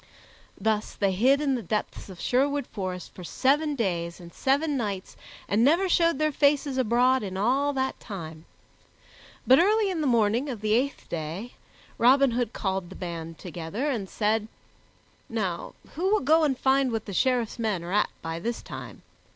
Thus they hid in the depths of Sherwood Forest for seven days and seven nights and never showed their faces abroad in all that time; but early in the morning of the eighth day Robin Hood called the band together and said, "Now who will go and find what the Sheriff's men are at by this time?